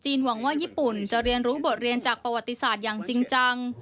หวังว่าญี่ปุ่นจะเรียนรู้บทเรียนจากประวัติศาสตร์อย่างจริงจัง